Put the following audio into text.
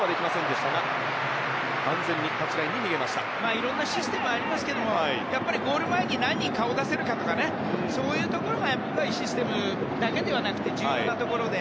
いろんなシステムがありますがゴール前に何人顔を出せるかそういうところがシステムだけではなくて重要なところで。